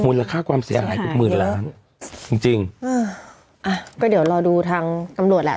หมุนราคาความเสียหายกว่าหมื่นล้านจริงจริงอ่าก็เดี๋ยวรอดูทางตำรวจแหละ